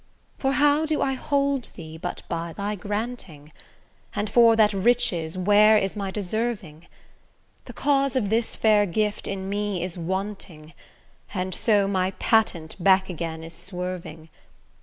For how do I hold thee but by thy granting? And for that riches where is my deserving? The cause of this fair gift in me is wanting, And so my patent back again is swerving.